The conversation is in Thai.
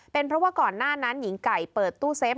เป็นเพราะว่าก่อนหน้านั้นหญิงไก่เปิดตู้เซฟ